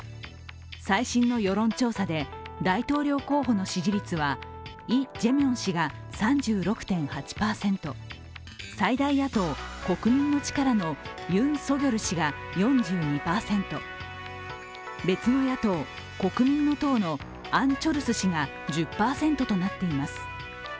最新の世論調査で大統領候補の支持率はイ・ジェミョン氏が３６．８％、最大野党・国民の力のユン・ソギョル氏が４２％、別の野党・国民の党のアン・チョルス氏が１０％となっています。